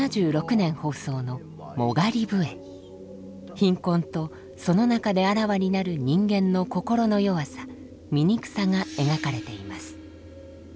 貧困とその中であらわになる人間の心の弱さ醜さが描かれています。